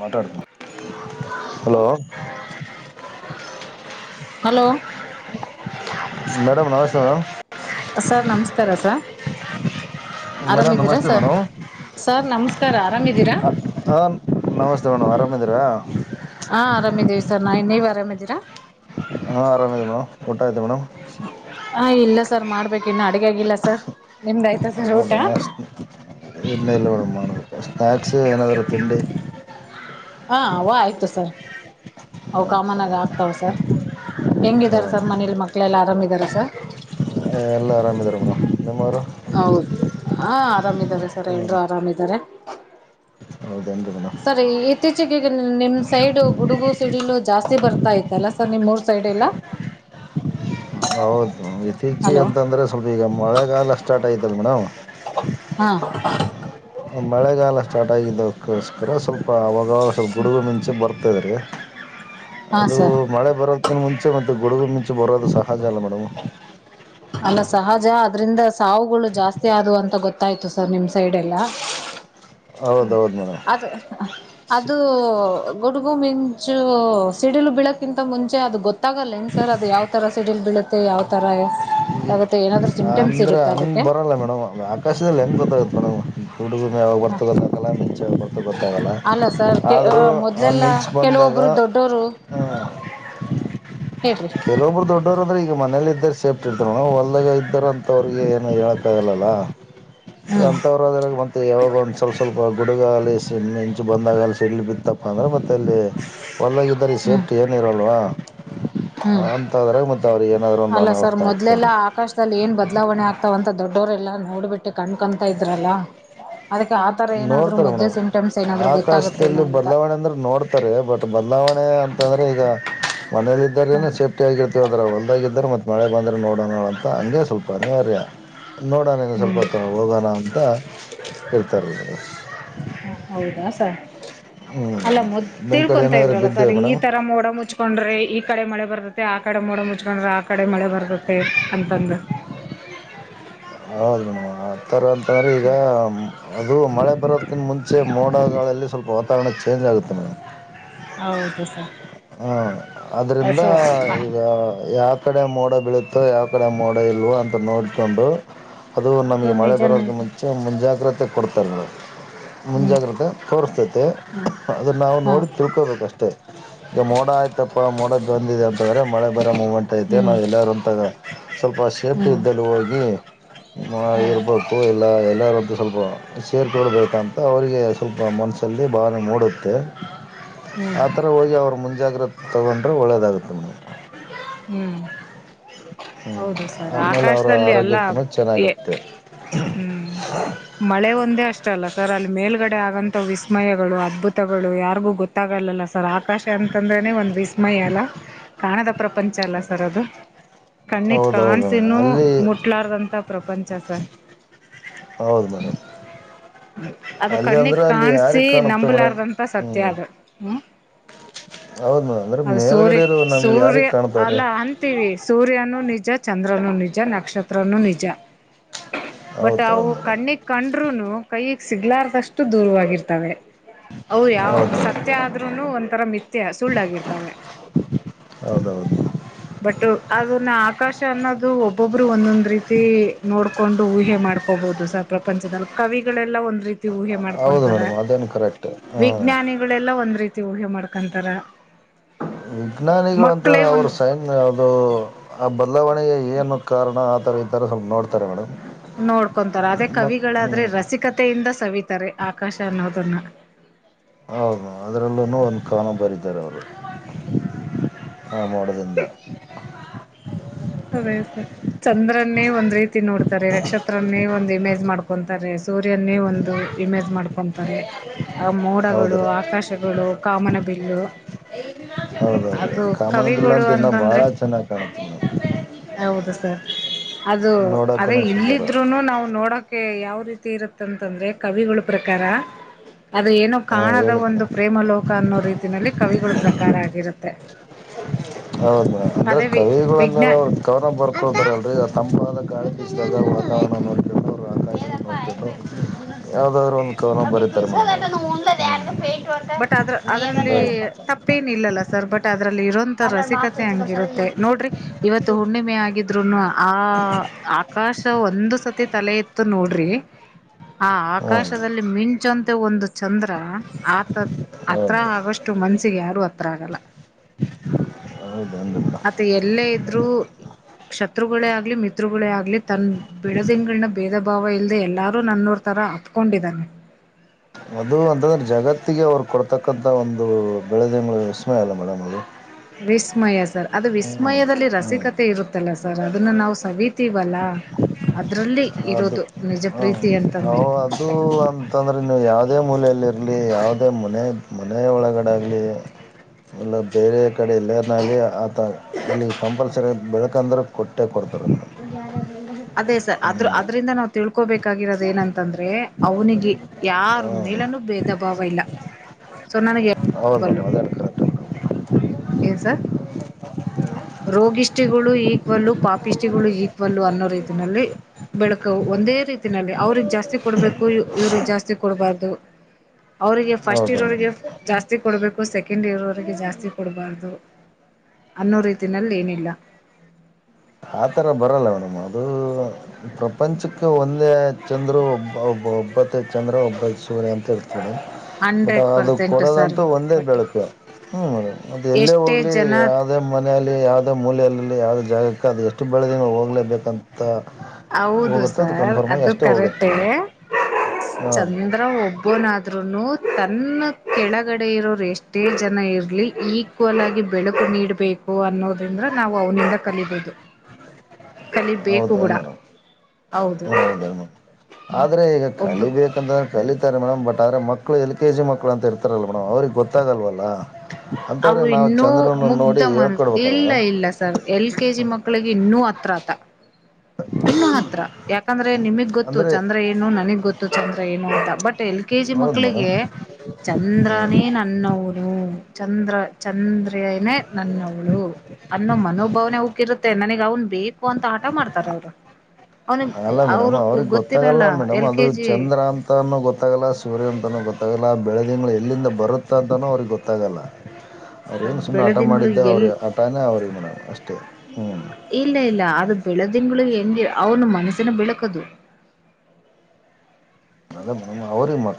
ಮಾತಾಡು hello madam ನಮಸ್ತೆ madam sir ನಮಸ್ಕಾರ ಸರ್ ಮೇಡ ಆರಾಮಿದ್ದೀರಾ ನಮಸ್ತೆ ಸರ್ ಬಡೋ ಸರ್ ನಮಸ್ಕಾರ ಆರಾಮಿದ್ದೀರಾ ಹ [unintelligible] ನಮಸ್ತೆ ಮೇಡ್ ಆರಾಮ ಇದಿರಾ ಹಾ ಆರಾಮಿದೀವಿ ಸರ್ ನಾ ಇನ್ನ ನೀವ್ ಆರಾಮಿದೀರಾ ಹಾ ಆರಾಮದೆ ಮೇಡಮ್ ಊಟ ಆಯ್ತು ಮೇಡಮ್ ಹಾ ಇಲ್ಲ ಸರ್ ಮಾಡ್ಬೇಕು ಇನ್ನು ಅಡಿಗೆ ಆಗಿಲ್ಲ ಸರ್ ನಿಮ್ದಾಯ್ತು ಹೌದಾ ಎನ್ನ ಇಲ್ಲ ಮೇಡಮ್ ಸ್ನಾಕ್ಸು ಏನಾದರು ತಿಂಡಿ ಹಾ ಅವ ಆಯ್ತು ಸರ್ ಅವು ಕಾಮನ್ ಆಯಿತಾ ಆಗ ಆಗ್ತಾವ ಸರ್ ಹೆಂಗಿದಾರ ಹಾಂ ಸರ್ ಮನೇಲಿ ಮಕ್ಳೆಲ್ಲ ಆರಾಮಿದಾರ ಸರ್ ಹ ಎಲ್ಲ ಆರಾಮಿದರ ಬೀಡು ಹೌದು ಹಾ ಆರಾಮಿದ್ದಾರೆ ಸರ್ ಹಾಂ ಎಲ್ರು ಆರಾಮಿದ್ದಾರೆ ಹೌದೇನು ರೀ ಮೇಡಮ್ ಸರಿ ಇತ್ತೀಚಗ ಈಗ ನಿಮ್ ಸೈಡ್ ಗುಡುಗು ಸಿಡಿಲು ಜಾಸ್ತಿ ಬರ್ತಾ ಇತ್ತಲ್ಲಾ ಸರ್ ನಿಮೂರ್ ಸೈಡ್ ಎರಡಿಲ [inaudible] ಹೌದು ಇತ್ತೀಚಿಗೆ ಹಲೋ ಅಂತಂದ್ರೆ ಸ್ವಲ್ಪ ಈಗ ಮಳೆಗಾಲ ಸ್ಟಾರ್ಟ್ ಆಯತಲ್ ಮೇಡಮ್ ಹಾ ಮಳೆಗಾಲ ಸ್ಟಾರ್ಟ ಆಗಿದ್ದದಕ್ಕೋಸ್ಕರ ಸ್ವಲ್ಪ ಆವಗವಾಗ ಸ್ವಲ್ಪ ಗುಡುಗು ಮಿಂಚು ಬರ್ತದೆ ರೀ ಹಾ ಅದು ಸರ್ ಮಳೆ ಬರೋದಕ್ಕಿಂತ ಮುಂಚೆ ಮತ್ತು ಗುಡುಗು ಮುಂಚೆ ಬರೋದು ಸಹಜ ಅಲ್ಲ ಮೇಡಮ್ ಅಲ್ಲ ಸಹಜ ಅದ್ರಿಂದ ಸಾವುಗಳು ಜಾಸ್ತಿ ಆದವು ಅಂತ ಗೊತ್ತಾಯ್ತು ಸರ್ ನಿಮ್ ಸೈಡ್ ಎಲ್ಲಾ ಹ ಹೌದೌದು ಮೇಡಮ್ ಅದು ಅದು ಗುಡುಗು ಮಿಂಚು ಸಿಡಿಲ್ ಬಿಳಕ್ಕಿಂತ ಮುಂಚೆ ಅದು ಗೊತ್ತಾಗಲ್ಲ ನ್ ಸರ್ ಅದು ಯಾವ ತರ ಸಿಡಿಲ್ ಬಳ ಮತ್ತೆ ಯಾವ್ ತರ ಈ ಸಿಮ್ಟಮ್ಸ್ ಅಂದ್ರೆ ಇರುತ್ತೆ ಹಂಗ ಅದಕ್ಕೆ ಬರಲ್ಲ ಮೇಡಮ್ ಆಕಾಶದಲ್ಲಿ ಹೆಂಗ್ ಗೊತ್ತಾಗುತ್ತೆ ಮೇಡಮ್ ಗುಡುಗಮ ಹೊರ್ತ ಗೊತ್ತಾಗಲ್ಲ ಮಿಂಚ ಹೊರ್ತ ಗೊತ್ತಾಗಲ್ಲ ಅಲ್ಲ ಸರ್ ಆದರೂ ಆ ಮೊದ್ಲೆಲ್ಲಾ ಮಿಂಚು ಬಂದಾಗ ಕೆಲವೊಬ್ರು ದೊಡ್ಡೋರು ಹಾ ಹೇಳ್ರಿ ಕೆಲೊಬ್ರು ದೊಡ್ಡವರಂದ್ರ ಈಗ ಮನೇಲಿ ಇದ ಸೇಫ್ಟಿ ಇರ್ತರು ಹೊಲಗ ಇದ್ದರು ಅಂತ ಅವ್ರಿಗೆ ಏನು ಹೇಳಕ್ಕ ಆಗಲ್ಲಾ ಹ್ಮ್ ಅಂತವರಾದರ ಮತ್ತ ಯಾವಾಗ ಒಂದು ಸ್ವಲ್ಪ ಸ್ವಲ್ಪ ಗುಡುಗಲಿ ಸಿಡಲ ಮಿಂಚು ಬಂದಾಗಲಿ ಸಿಡ್ಲು ಬಿತ್ತಪ್ಪ ಅಂದ್ರರೆ ಮತ್ತೆ ಅಲ್ಲಿ ಹೊಲ್ಲಾಗಿದ್ದರೆ ಈ ಹ್ಮ್ ಸೇಫ್ಟು ಏನಿರೋಲ್ವಾ ಹ್ಮ್ ಅಲ್ಲ ಸರ್ ಅನಾಹುತ ಆಗ್ತವೆ ಮೊದ್ಲೆಲ್ಲ ರೀ ಆಕಾಶದಲ್ಲಿ ಏನ್ ಬದಲಾವಣೆ ಆಗ್ತ ಅಥವಂತ ದೊಡ್ಡವರೆಲ್ಲ ನೋಡ್ಬಿಟ್ಟು ಕಣ್ಕೊಂತಾ ಇದ್ರಲ್ಲ ಅದಕ್ಕೆ ಆತರ ಏನಾದ್ರು ನೋಡ್ತಾರೆ ಮೊದ್ಲೇ ಮೇಡಮ್ ಸಿಮ್ಟಮ್ಸ್ ಏನಾದ್ರು ಗೊತ್ತಾಗುತ್ತೇನೋ ಆಕಾಶದಲ್ಲಿ ಅಂತ ಬದಲಾವಣೆ ಅಂದ್ರೆ ನೋಡ್ತಾರೆ ಬಟ್ ಬದಲಾವಣೆ ಅಂತಂದ್ರೆ ಈಗ ಮನೇಲ್ಲ ಹ್ಮ ಇದ್ರ ಸೇಫ್ಟಿ ಆಗಿರ್ತ್ತ ದ್ರ ಹೊಲ್ದಾಗಿದೆ ಮತ್ತ ಮಳೆ ಬಂದ್ರೆ ನೋಡೋಣೋ ಅಂತ ಹಂಗೆ ಸ್ವಲ್ಪ ಅನಿವಾರ್ಯ ನೋಡೋಣನು ಸ್ವಲ್ಪ ಹ್ಮ್ ಹೊತ್ತು ಹೋಗೋಣ ಅಂತ ಹೇಳ್ತರ ಹ ಹೌದಾ ಸರ್ ಹ್ಞೂ ಅಲ್ಲ ಮೊದ್ಲ ನಿಮ್ಮ ಕಡೆ ತಿಳ್ಕೊಂತ ಏನಾದರೂ ಇದ್ರಲ್ಲ ಸರ್ ಬಿದ್ದೇವೆ ಈ ಮೇಡಮ್ ತರ ಮೋಡ ಮುಚ್ಕೊಂಡ್ರೆ ಈ ಕಡೆ ಮಳೆ ಬರ್ತೆ ಆ ಕಡೆ ಮೋಡ ಮುಚ್ಕೊಂಡ್ರೆ ಆ ಕಡೆ ಮಳೆ ಬರ್ತ್ತೆ ಅಂತಂದು ಹೌದಮ್ಮ ಆಥರ ಅಂತಂದ್ರೆ ಈಗ ಅದು ಮಳೆ ಬ್ರವತ್ತಿನ ಮುಂಚೆ ಮೋಡಗಳಲ್ಲಿ ಸ್ವಲ್ಪ ವಾತಾವರಣ ಚೇಂಜ್ ಆಗುತ್ತೆ ಹೌದು ಸರ್ ಹಾ ಅದ್ರಿಂದ ಸೊ ಈಗ ಯಾವ ಕಡೆ ಮೋಡ ಬೀಳುತ್ತೆ ಯಾವ್ ಕಡೆ ಮೂಡ ಇಲ್ವ ಅಂತ ನೋಡ್ಕೊಂಡು ಅದು ನಮಗೆ ಮಳೆ ಬರೋದಕ್ಕೆ ಮುಂಚೆ ಮುಂಜಾಗ್ರತೆ ಕೊಡ್ತಾರೆ ನದು ಹ್ಮ್ ಮುಂಜಾಗ್ರತೆ ತೋರಿಸ್ತೈತೆ ಹ್ಮ್ ಅದನ್ನ ನಾವು ಹಾ ನೋಡಿ ತಿಳ್ಕೋಬೇಕಷ್ಟೆ ಈಗ ಮೋಡ ಆಯ್ತಪ್ಪ ಮೋಡ ಬಂದಿದೆ ಅಂತಂದ್ರೆ ಮಳೆ ಬರೋ ಮೂಮೆಂಟ್ ಐತೆ ಹ್ಮ್ ನಾವು ಎಲ್ಲರೂ ಅಂತಾಗ ಸ್ವಲ್ಪ ಸೇಫ್ಟಿ ಹ್ಮ್ ಇದ್ದಲ್ಲಿ ಹೋಗಿ ಹ್ಮ್ ಇರ್ಬೇಕು ಎಲ್ಲ ಎಲ್ಲಾರ ಸ್ ಸ್ವಲ್ಪ ಸೇರ್ಕೊಡ್ಬೇಕಂತ ಅವರಿಗೆ ಸ್ವಲ್ಪ ಮನಸ್ಸಲ್ಲಿ ಭಾವನೆ ಮೂಡುತ್ತೆ ಹ್ಮ್ ಆ ಥರ ಹೋಗಿ ಅವರು ಮುಂಜಾಗ್ರತೆ ತೊಗೊಂಡ್ರೆ ಒಳ್ಳೆಯದಾಗುತ್ತೆ ಮೇಡಮ್ ಹ್ಮ್ ಹ್ಞೂ ಹೌದು ಸರ್ ಆಮೇಲೆ ಅವರ ಆಕಾಶದಲ್ಲಿ ಎಲ್ಲ ಆರೋಗ್ಯಕ್ಕೂ ಎ ಚೆನ್ನಾಗಿರುತ್ತೆ ಹ್ಮ್ ಮಳೆ ಒಂದೇ ಅಷ್ಟ ಅಲ್ಲ ಸರ್ ಅಲ್ಲಿ ಮೇಲ್ಗಡೆ ಆಗಂತ ವಿಸ್ಮಯಗಳು ಅದ್ಭುತಗಳು ಯಾರಿಗೂ ಗೊತ್ತಾಗಲ್ಲಲ್ಲ ಸರ್ ಆಕಾಶ ಅಂತಂದ್ರೆನೆ ಒಂದ್ ವಿಸ್ಮಯ ಅಲ್ಲ ಕಾಣದ ಪ್ರ ಪ್ರಪಂಚ ಅಲ್ಲ ಸರ್ ಅದು ಕಣ್ಣಗ್ ಹೌದೌದು ಕಾಣಸಿನೂ ಅಲ್ಲಿ ಮುಟ್ಲಾರ್ದಂತ ಪ್ರಪಂಚಾ ಸರ್ ಹೌದು ಮೇಡಮ್ ಹ್ಮ ಅದು ಅಲ್ಲಿ ಕಣ್ಣಗ್ ಅಂದ್ರೆ ಅಲ್ಲಿ ಕಾಣಸಿ ಯಾರಿಗೆ ಕಾಣುತ್ತೆ ಮೇಡಮ್ ನಂಬಲಾರ್ದಂತ ಹ್ಞೂ ಸತ್ಯ ಅದು ಹ್ಮ್ ಹೌದು ಮೇಡಮ್ ಅಂದರೆ ಅದು ಸೂರ್ಯ ಮೇಲ್ಗಡೆ ಇರೋ ನಮ್ಗೆ ಸೂರ್ಯ ಯಾರಿಗೆ ಕಾಣ್ತಾವ್ರಿ ಅಲ್ಲ ಅಂತೀವಿ ಸೂರ್ಯನು ನಿಜ ನಿಜ ಚಂದ್ರನು ನಿಜ ನಕ್ಷತ್ರನು ನಿಜ ಬಟ್ ಹೌದು ಹೌದು ಅವು ಮೇಡಮ್ ಕಣ್ಣಿಗ್ ಕಣ್ರನು ಕೈಗ್ ಸಿಗ್ಲಾರ್ದಷ್ಟು ದೂರವಾಗಿರ್ತವೆ ಅವರು ಯಾವ ಹೌದು ಮೇಡಮ್ ಸತ್ಯ ಆದ್ರರುನು ಒಂಥರ ಮಿಥ್ಯ ಸುಳ್ಳಾಗಿರ್ತಾವ ಹದೌದು ಬಟ್ ಅದನ್ನ ಆಕಾಶ ಅನ್ನೋದು ಒಬ್ಬೊಬ್ರು ಒಂದೊಂದ್ ರೀತಿ ನೋಡ್ಕೊಂಡು ಊಹೆ ಮಾಡ ಕೋಬಹುದು ಸ ಪ್ರಪಂಚದಲ್ಲಿ ಕವಿಗಳೆಲ್ಲಾ ಒಂದ್ ರೀತಿ ಊಹೆ ಹೌದು ಮಾಡ್ಕೊಂತಾರ ಮೇಡಮ್ ಅದೇನು ಕರೆಕ್ಟ್ ಹಾಂ ವಿಜ್ಞಾನಿಗಳೆಲ್ಲ ಒಂದ್ ರೀತಿ ಊಹೆ ಮಾಡ್ಕೊಂತಾರೆ ಹ ವಿಜ್ಞಾನಿಗಳುಂತಂದ್ರ ಅವರು ಸೈನ್ ಯಾವುದು ಆ ಬದಲಾವಣೆಗೆ ಏನು ಕಾರಣ ಆ ಥರ ಇ ಥರ ಸ್ವಲ್ ನೋಡತರೆ ಮೇಡಂ ನೋಡ್ಕೊಂತಾರ ಅದೇ ಕವಿಗಳಾದ್ರೆ ಹ್ಞೂ ರಸಿಕತೆಯಿಂದ ಸವ ತ್ತರಿ ಆಕಾಶ ಅನ್ನೋದನ್ನ ಹೌದು ಅದ್ರಲ್ಲೂ ಒಂದು ಕಾಣ ಬರಿತಾರೆ ಅವರು ಆ ಮಾಡದಿಂದ ಅದೇ ಸ ಚಂದ್ರನ್ನೇ ಒಂದ್ ರೀತಿ ನೋಡ್ತಾರೆ ನಕ್ಷತ್ರನ್ನೇ ಒಂದ್ ಇಮೇಜ್ ಮಾಡ್ಕೊಂತಾರೆ ಸೂರ್ಯನ್ನೇ ಒಂದು ಇಮೇಜ್ ಮಾಡ್ಕೊಂತಾರೆ ಆ ಮೋಡಗಳು ಹೌದ್ರಿ ಆಕಾಶಗಳು ಕಾಮನಬಿಲ್ಲು ಹೌದೌದು ಕಾಮನದಿಲ್ಲ ಅಂತ ಇನ್ನ ಬಾಳ ಅಂತಂದ್ರೆ ಚೆನ್ನಾಗ್ ಕಾಣುತ್ತ ಹೌದು ಸರ್ ಅದು ನೋಡಕ್ಕೂ ಅದೇ ಸುಂದರ ಇಲ್ಲಿದ್ರುನು ನಾವು ನೋಡೋಕೆ ಯಾವ ರೀತಿ ಇರುತ್ತಂತಂದ್ರೆ ಕವಿಗಳು ಪ್ರಕಾರ ಅದು್ರ ಏನೋ ಹಾಂ ಕಾಣದ ಹೇಳಿ ಒಂದು ಮೇಡಮ್ ಪ್ರೇಮ ಲೋಕ ಮು ಅನ್ನೋ ರೀತಿನಲ್ಲಿ ಕವಿಗಳು ಪ್ರಕಾರ ಆಗಿರುತ್ತೆ ಹೌದ ಅಂದ್ರೆ ಅದೇ ವಿ ಕವಿಗಳಂದ್ರ ವಿಜ್ಞಾ ಅವ್ರ ಗವನ ಬರ್ತತಾರಲ್ರರಿ ತಂಪಾದ ಕ ವಾಾವೋ ಆಾಶ ಯಾವ್ದಾದ್ರು ಒಂದು ಕವನ ಬರುತ್ತೆ ಮಲ್ಲ ಬಟ್ ಅದ್ರ ಅದ್ರಲ್ಲಿ ತಪ್ಪೇನು ಇಲ್ಲಲ್ಲ ಸರ್ ಬಟ್ ಅದ್ರಲ್ಲಿ ಇರೋಂತ ರಸಿಕತೆ ಹಂಗಿರುತ್ತೆ ನೋಡ್ರಿ ಇವತ್ತು ಹುಣ್ಣಿಮೆ ಆಗಿದ್ರುನು ಆ ಆಕಾಶ ಒಂದು ಸತಿ ತಲೆ ಇತ್ತು ನೋಡ್ರಿ ಆ ಹಾಂ ಹೌದು ಆಕಾಶದಲ್ಲಿ ಮಿಂಚಂತೆ ಒಂದು ಚಂದ್ರ ಆತ ಹತ್ರ ಹೌದು ಆಗಷ್ಟು ಮನ್ಸಿಗೆ ಯಾರು ಹತ್ರ ಆಗಲ್ಲ ಹೌದು ಮೇಡಮ್ ಮತ್ತೆ ಎಲ್ಲ ಇದ್ರು ಶತ್ರುಗಳೇ ಆಗ್ಲಿ ಮಿತ್ರರುಗಳೇ ಆಗ್ಲಿ ತನ್ ಬಿಡದಿಂಗಳನ ಭೇದ ಭಾವ ಇಲ್ದೆ ಎಲ್ಲಾರೂ ನನ್ನೂರ್ ತರ ಅಪ್ಕೊಂಡಿದಾನೆ ಅದು ಅಂತಂದ್ರೆ ಜಗತ್ತಿಗೆ ಅವ ಕೊಡ್ತಕ್ಕಂಥ ಒಂದು ಬೆಳೆದಂಗಳ ವಿಷಮಯ ಅಲ್ಲ ಮೇಡಮ್ ಅದು ವಿಸ್ಮಯ ಸರ್ ಅದು ವಿಸ್ಮಯದಲ್ಲಿ ಹ್ಮ್ ರಸಿಕತೆ ಇರುತ್ತಲ್ಲ ಸರ್ ಸರ್ ಅದನ್ನ ನಾವವು ಸವತೀವಲ್ಲ ಅದು ಹ ಅಂತಂದ್ರೆ ಅದು ಅಂತಂದ್ರೆ ನೀವು ಯಾವದೇ ಮೂಲೆಯಲ್ಲಿ ಆಗಲಿ ಯಾವುದೇ ಮನೆ ಮನೆೆಯ ಒಳಗಡೆ ಆಗಲಿ ಎಲ್ಲ ಬೇರೆ ಕಡೆ ಇಲ್ಲನಾಗ ಆತ ಇಲ್ಲಿ ಕಂಪಲ್ಸರಿ ಬೆಳಕಂದ್ರೆ ಕೊಟ್ಟೆ ಕೊಡ್ತ ತ್ತರ ಆದ್ರ ಅದ್ರಿಂದ ನಾವು ತಿಳ್ಕೋಬೇಕಾಗಿರೋದ ಏನಂತಂದ್ರೆ ಅವನಿಗೆ ಯಾರ ಹ್ಮ್ ಮೇಲನುೂ ಭೇದ ಭಾವ ಇಲ್ಲ ಸನ್ನನ ಹೌದ ಅ ಏನ್ ಸರ್ ರೋಗಿಷ್ಟಿಗಳು ಈಕ್ವಲ್ಲು ಪಾಪಿಷ್ಟಿಗಳು ಈಕ್ವಲ್ಲ ಅನ್ನೋ ರೀತಿ ಲ್ಲಿ ಬೆಳಕ ಒಂದೇ ರೀತಿನಲ್ಲಿ ಅವ್ರಿಗೆ ಜಾಸ್ತಿ ಕೊಡಬೇಕು ಇವ್ರಿಗೆ ಜಾಸ್ತಿ ಕೊಡಬಾರ್ದು ಂದು [unintelligible] ಅವ್ರಿಗೆ ಫಸ್ಟ್ ಹೌದೌದು ಇರೋರಿಗೇ ಅವಿಗೆ ಜಾಸ್ತಿ ಕೊಡ್ಬೇಕು ಸೆಕೆಂಡ್ ಇರೋರಿಗೆ ಅವರಿಗೆ ಮೇಡಮ್ ಜಾಸ್ತಿ ಕೊಡ್ಬಾರ್ದು [inaudible] [unintelligible] ಅನ್ನೋ ರೀತಿನಲ್ಲಿ ಏನಿಲ್ಲ ಆತರ ಬರಲ್ಲ ಮೇಡಮ್ ಅದು ಪ್ರಪಂಚಕ್ಕೆ ಒಂದೇ ಚಂದ್ರು ಒಬ್ಬ ಒಬ್ಬ ಒಬ್ಬ ಚಂದ್ರ ಒಬ್ಬ ಸೂರ್ಯ ಅಂತ ಹೇಳ್ತಿ ಬಟ್ ಹಂಡ್ರೆಡ್ ಅದು ಪರ್ಸೆಂಟ್ ಸರ್ ಕೊಡೋದಂತೂ ಒಂದೇ ಬಟ್ ಬೆಳಕು ಹ್ಞೂಡ್ ಅದು ಎಲ್ಲೇ ಎಷ್ಟೇ ಹೋಗ್ಲಿ ಜನ ಯಾವುದೇ ಮನೆಯಲ್ಲಿ ಯಾವುದೇ ಮೂಲೆಯಲ್ಲಿ ಯಾವುದೇ ಜಾಗ ಬದು ಎಷ್ಟು ಬೆಳೆದಂಗಳು ಹೋಗ್ಲೇಬೇಕಂತ ಹೌದು ಹೋಗುತ್ತೆ ಅದು ಸರ್ ಕನ್ಫರ್ಮಾಗಿ ಅದು ಅಷ್ಟೇ ಹೋಗುತ್ತೆ ಕರೆಟ್ದೆ ಮೇಡಮ್ ಹಾಂ ಮೇಡಮ್ ಚಂದ್ರ ಒಬ್ಬೊ ನ ತನ್ನ ಕೆಳಗಡೆ ಇರೋರು ಎಷ್ಟೇ ಜನ ಇರಲಿ ಈಕ್ವಲ್ ಆಗಿ ಬೆಳಕು ನೀಡ್ಬೇಕು ಅನ್ನೋದ್ರಿಂದ್ರ ನಾವು ಅವನಿಂದ ಕಲಬೋುದು ಹ ಕಲಿಬೇಕು ಕೂಡ ಹೌದು ಹೌದ ಆದ್ರೆ ಈಗ ಒಬ್ಬ ಕಲಿಬೇಕಂತ್ರೆ ಕಲಿತ ಮೇಡಮ್ ಬಟ್ ಆದ್ರೆ ಮಕ್ಕಳ ಎಲ್ ಕೆ ಜಿ ಮಕ್ಕಳ ಅಂತ ಇರ್ತಾರಲ್ಲ ಮೇಡಮ್ ಅವ್ರರಿಗೆ ಗೊತ್ತಾಗಲ್ವಲ್ಲ ಅವು ಅಂಥವ್ರಿಗೆ ನಾವು ಇನ್ನೂ ಚಂದ್ರನ ಮುಗ್ಧ ನೋಡಿ ಮನ್ ಹೇಳ್ಕೊಡ್ಬೇಕಲ್ಲ ಇಲ್ಲ ಮೇಡಮ್ ಇಲ್ಲ ಸರ್ ಎಲ್ ಕೆ ಜಿ ಮಕ್ಕಳಿಗೆ ಇನ್ನೂ ಹತ್ರ ಮತ್ತ ಇನ್ನು ಹತ್ರ ಯಾಕಂದ್ರೆ ನಿಮಗ್ ಗೊತ್ತು ಅಂದರೆ ಚಂದ್ರ ಏನು ನನಗ್ ಗೊತ್ತು ಚಂದ್ರ ಏನು ಅಂತ ಬಟ್ ಎಲ್ ಕೆ ಜಿ ಹೌದು ಮೇಡಮ್ ಮಕ್ಕಳಿಗೆ ಚಂದ್ರನೇ ನನ್ನವನು ಚ್ರ ಚಂದ್ರನೇ ನನ್ನವಳು ಅನ್ನೋ ಮನೋಭಾವನೆ ಬಿರುತ್ತೆ ನನಗ್ ಅವನ್ ಬೇಕು ಅಂತ ಆಟ ಮಾಡ್ತಾರೆ ಅವ್ರು ಅಲ್ಲ ಮೇಡಮ್ ಅವ್ರಿಗೆ ಗೊತ್ತಾಗಲ್ಲ ಮೇಡಮ್ ಎಲ್ ಅದು ಕೆ ಜಿ ಚಂದ್ರ ಅಂತಾನೂ ಗೊತ್ತಾಗಲ್ಲ ಸೂರ್ಯ ಅಂತಾನೂ ಗೊತ್ತಾಗಲ್ಲ ಎಲ್ಲ ಬೆಳೆದಂಗಳು ಎಲ್ಲಿಂದ ಬರುತ್ತ ಅಂತಲೂ ಅವ್ರಿಗೆ ಗೊತ್ತಾಗಲ್ಲ ಸರ್ ಅವ್ರೇನು ಸುಮ್ಮ ಆಟ ಬೆಳೆದಿಂಗಳು ಮಾಡಿದ್ದೆ ಎಲ್ ಅವ್ರ ಆಟನೇ ಅವ್ರಿಗೆ ನ ಅಷ್ಟೇ ಹ್ಞೂ ಇಲ್ಲ ಇಲ್ಲ ಅದು ಬೆಳೆದಿಂಗಳು ಹೆಂಗಿ ಅವನು ಮನಸನ ಬೆಳಕದು ನಲ್ಲ ಮ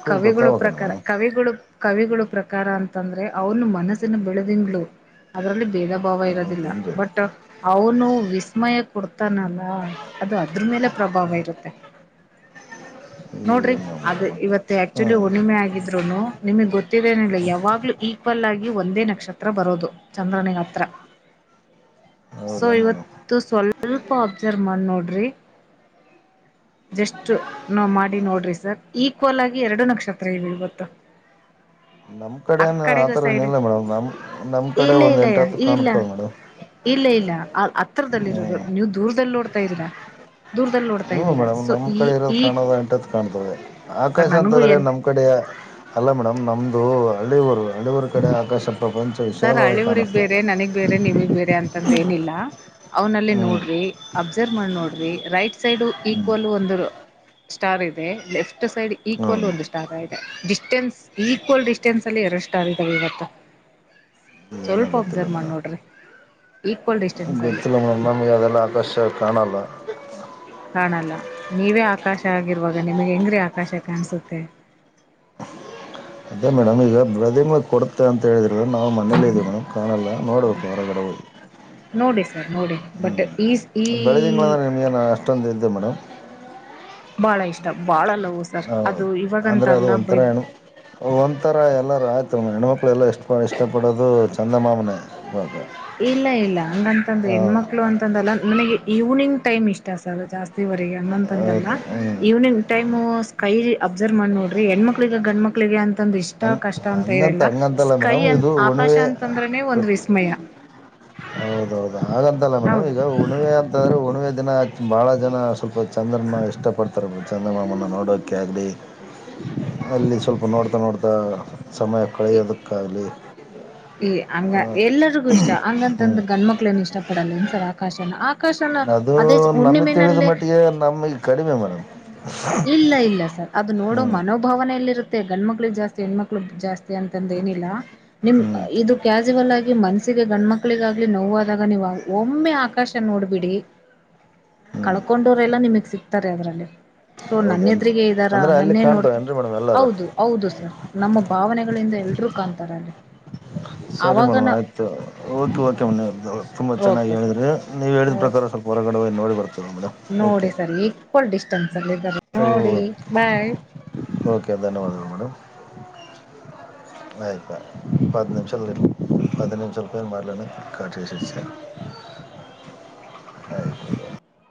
ಕವಿಗಳು ಪ್ರಕಾರ ಕವಿಗಳು ಕವಿಗಳು ಪ್ರಕಾರ ಕಾರ ಅಂತಂದ್ರೆ ಅವ್ನು ಮನಸ್ಸಿನ ಬೆಳೆದಂಗ್ಳ ಅದ್ರಲ್ಲಿ ಭೇದ ಭಾವ ಇರೋದಿಲ್ಲ ಹೌದೇನು ರೀ ಬಟ್ ಅವನು ವಿಸ್ಮಯ ಕೊಡ್ತ ತಾನಲ್ಲ ಅದು ಅದ್ರ ಮೇಲೆ ಪ್ರಭಾವ ಇರುತ್ತೆ ನೋಡ್ರಿ ಏನ್ ಮಾಡ ಅದ ಮೇಡಮ್ ಆಗಲ್ಲ ಇವತ್ತು ಆಕ್ಚುಲಿ ಹ್ಮ್ ಒಣ್ಣಿಮೆ ಆಗಿದ್ರುನು ನಿಮಗ್ ಗೊತ್ತಿದೆೇನಿಲ್ಲ ಯಾವಾಗ್ಲೂ ಈಕ್ವಲ್ ಆಗಿ ಈ ಒಂದೇ ನಕ್ಷತ್ರ ಬರೋದು ಚಂದ್ರನಗ ಹತ್ರ ಸೊ ಹೌದೇನ್ ಮೇಡಮ್ ಇವತ್ತು ಸ್ವಲ್ಪ ಅಬ್ಸರ್ವ್ ಮಾಡಿ ನೋಡ್ರಿ ಜಸ್ಟ್ ನ ಮಾಡಿ ನೋಡ್ರಿ ಸರ್ ಈಕ್ವಲ್ ಆಗಿ ಎರಡು ನಕ್ಷತ್ರ ಇವೆ ಇವತ್ತು ಹ್ಮ ನಮ್ಮ ಕಡನು ಆ ಕಡೆಗ ಥರನ ಸೈಡ್ ಇಲ್ಲ ಮೇಡಮ್ ನಮ್ಮ ನಮ್ಮ ಕಡೆ ಇಲ್ಲ ಒಂದು ಎಂಟು ಇಲ್ಲಯ್ಯ ಹತ್ತು ಇಲ್ಲ ಕಾಣುತ್ತವೆ ಮೇಡಮ್ ಇಲ್ಲ ಇಲ್ಲ ಅ ಹತ್ರದಲ್ಲಿ ಇರೋದು ಹ್ಮ್ ನೀವು ದೂರದಲ್ಲಿ ನೋಡ್ತಾ ಇದ್ದೀರಾ ದೂರದಲ್ಲಿ ನೋಡ್ತಾ ಇದ್ದೀರಾ ಸೊ ನಮ್ಮ್ ಈ ಕಡೆ ಇರೋದು ಈ ಕಾಣಂಟ ಕಾಣ್ತವೆ ಸರ್ ಆಕಾಶ ನನಗೂ ಅಂತಂದ್ರೆ ಏನ್ ನಮಮ್ಮ ಕಡೆ ಅಲ್ಲ ಮೇಡಮ್ ನ ಒಂದು ಹಳ್ಳಿಯವರು ಅಳಿವರ ಕಡೆ ಆಕಾಶ ಪ್ರಪಂಚ ಸರ್ ವಿಶಾಲವಾಗಿ ಹಳ್ಳಿ ಊರಿಗ್ ಬೇರೆ ಕಾಣಿಸ್ತದೆ ನನಗ್ ಬೇರೆ ನಿಮಗ್ ಬೇರೆ ಅಂತಂದ ಏನಿಲ್ಲ ಅವ್ನಲ್ಲಿ ಹ್ಮ್ ನೋಡ್ರಿ ಅಬ್ಸರ್ವ್ ಮಾಡಿ ನೋಡ್ರಿ ರೈಟ್ ಸೈಡ್ ಈಕ್ವಲ್ ಒಂದು ಸ್ಟಾರ್ ಇದೆ ಲೆಫ್ಟ್ ಎಷ್ಟ ಸೈಡ್ ಈಕ್ವಲ್ ಹ್ಮ್ ಒಂದು ಸ್ಟಾರ್ ಆಯು ಡಿಸ್ಟೆನ್ಸ್ ಈಕ್ವಲ್ ಡಿಸ್ಟೆನ್ಸ್ ಅಲ್ಲಿ ಎರಡು ಷ್ಟಾರ ಇದಾವ ಇವತ್ತ ಏನೋ ಸ್ವಲ್ಪ ಗೊತ್ತಿಲ್ಲ ಒಬ್ಸರ್ವ್ ಮಾಡಿ ಮೇಡಮ್ ನೋಡ್ರಿ ಈಕ್ವಲ್ ಡಿಸ್ಟೆನ್ಸ್ ಅಲ್ಲಿ ಗೊತ್ತಿಲ್ಲ ನಮಗೆ ಅದೆಲ್ಲ ಆಕಾಶ ಕಾಣಲ್ಲ ಲ್ಲ ನೀವೇ ಆಕಾಶ ಆಗಿರುವಾಗ ನಿಮಗೆ ಹೆಂಗ್ರೀ ಆಕಾಶ ಕಾಣಸುತ್ತೆ ಅದೇ ಮೇಡಮ್ ಈಗ ಬ್ರದಿಮ್ ಕೊಡ್ತ ಅಂತ ಹೇಳಿದ್ರ ನಾವು ಮನೇಲ್ಲೇ ಇದೇ ಮ ಕಾಣಲ್ಲ ನೋಡ್ಬೇಕು ಹೊರಗಡೆ ಹೋಗಿ ನೋಡಿ ಸರ್ ನೋಡಿ ಬಟ್ ಈ ಈ ಹ್ಞೂ ಬೆಳೆದಂಗಳ ಅಂದ್ರರೆ ನಿಮಗೇ ಅಷ್ಟೊಂದು ಇಿದೆೇ ಮೇಡಮ್ ಬಾಳ ಇಷ್ಟ ಬಾಳ ಲಾವೋ ಸರ್, ಅದು ಇವಾಗಂತ ಅಂದರೆ ಅದು ಅಲ್ಲ ಬೈ ಒಂಥರ ಹೆಣ್ಣು ಒಂಥರ ಎಲ್ಲರ ಆಯ್ತು ನಮ್ಮ ಹೆಣ್ಣ್ಮಕ್ಳೆಲ್ಲ ಇಷ್ಟ ಪ ಇಷ್ಟಪಡೋದು ಚಂದಮಮನ ಇಲ್ಲ ಇಲ್ಲ ಹಂಗಂತಂದ್ರ ಹೆಣ್ಮಕ್ಳು ಅಂತಂದಲ್ಲ ನಮಗೆ ಈವ್ನಿಂಗ್ ಟೈಮ್ ಇಷ್ಟ ಸರ್ ಜಾಸ್ತಿ ವಗೆ ಅನ್ನೊಂತಂದಲ್ಲ ಹೌದು ಹ್ಞೂ ಈವ್ನಿಂಗ್ ಟೈಮ್ ಸ್ಕೈ ಅಬ್ಸರ್ವ್ ಮಡಿ, ನೋಡ್ರಿ ಹೆಣ್ಮ ಮಕ್ಳಗ ಗಂಡ್ ಮಕ್ಳಿಗೆ ಅಂತ ೊಂದು್ ಇಷ್ಟ ಹಂಗೆ ಕಷ್ಟ ಅಂತ ಹಂಗಂತ ಇರಲ್ಲ ಹಂಗಂತಲ್ಲ ಸ್ಕೈ ಮೇಡಮ್ ಅ ಇದು ಆಕಾಶ ಹುಣ್ಣಿಮೆ ಅಂತಂದ್ರನನೆ ಒಂದ್ ವಿಸ್ಮಯ ಹೌದೌದು ಹಾಗಂತಲ್ಲ ಮೇಡಮ್ ಹೌದು ಈಗ ಉಣ್ಣಿವೆ ಅಂತಂದ್ರೆ ಉಣಿವೆ ದಿನ ಭಾಳ ಜನ ಸ್ವಲ್ಪ ಚಂದ್ರಮ್ಮ ಇಷ್ಟಪಡ್ತಾರೆ ಚಂದ್ರ ಮಾಮನ ನೋಡೋಕ್ಕೆ ಆಗಲಿ ಅಲ್ಲಿ ಸ್ವಲ್ಪ ನೋಡ್ತಾ ನೋಡ್ತಾ ಸಮಯ ಕಳೆಯೋದಕ್ಕಾಗಲಿ ಏ ಹಂಗ ಎಲ್ಲರಿಗು ಇಷ್ಟ ಹ್ಞೂ ಹಂಗಂತಂದ ಗಂಡ್ಮಕ್ಳ ಏನು ಇಷ್ಟ ಪಡಲ್ಲ ಇನ್ಸರ್ ಆಕಾಶ ಅದು ನಮಿ ತಿಳಿದ್ ಮಟ್ಟಿಗೆ ನಮಗ್ ಕಡಿಮೆ ಮೇಡ್ ಇಲ್ಲ ಇಲ್ಲ ಸರ್ ಅದು ನೋಡೋ ಮನೋಭಾವನೆ ಎಲ್ಲಿ ಇರುತ್ತೆ ಗಂಡ್ಮಕ್ಳ ಜಾಸ್ತಿ ಹೆಣ್ಮಕ್ಳು ಜಾಸ್ತಿ ಅಂತಂದ ಏನಿಲ್ಲ ನಿಮ ಹ್ಮ್ ಇದು ಕ್ಯಾಸುವಲ್ ಆಗಿ ಮನ್ಸ್ಸಿಗೆ ಗಣ್ಮಕ್ ಮಕ್ಳಿಗಾಗ್ಲಿ ನೋವಾದಾಗ ನೀವು ಒಮ್ಮೆ ಆಕಾಶ ನೋಡ್ಬಿಡಿ ಹ್ಮ್ ಕಳ್ಕೊಂಡೂರೆ ಎಲ್ಲಾ ನಿಮಗ್ ಸಿಗ್ತಾರೆ ಅದ್ರಲ್ಲಿ ಸೊ ಹೌದೇನ್ರಿ ನನ್ನೆದ್ರಿಗೆ ಇದ್ದಾರಾ ಅಂದ್ರೆ ಅಲ್ಲಿ ನನ್ನೇ ನೋಡ್ತ ಕಾಣ್ತಾವೇನ್ರಿ ಮೇಡಮ್ ಎಲ್ಲಾರು ಹೌದು ಹೌದು ಸರ್ ನಮ್ಮ ಭಾವನೆಗಳಿಂದ ಎಲ್ರುೂ ಕಾಣ್ಂತಾರ ಅಲ್ಲಿ ಸರಿ ಮೇಡಮ್ ಅವಾಗನ ಆಯ್ತು ಓಕೆ ಓಕೆ ಮೇಡಮ್ ತುಂಬ ಚೆನ್ನಾಗಿ ಓಕೆ ಸರ್ ಹೇಳಿದ್ರೆ ನೀವು ಹೇಳಿದ ಓಕೆ ಪ್ರಕಾರ ಸ್ವಲ್ಪ ಹೊರಗಡ ನೋಡಿ ಬರ್ತದೆ ಮೇಡಮ್ ಓಕೆ ಫುಲ್ ಡಿಸ್ಟೆನ್ಸ್ ಅಲ್ಲಿ ಇದಾರೆ ನೋಡಿ ಓಕೆ ಬೈ ಓಕೆ ಧನ್ಯವಾದಗಳು ಮೇಡಮ್ ಆಯ್ಪಾ ಪತ್ತು ನಿಮಷದಲ್ಲಿ ಪದ ನಿಮಿಷದ ಪೇರು ಮದಲನ ಕಟ್ಸ ಸ [unintelligible] [inaudible] [unintelligible]